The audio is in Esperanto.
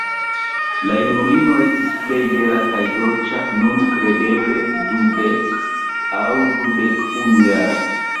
La junulino estis plej bela kaj dolĉa, nun kredeble dudek aŭ dudek-unujara.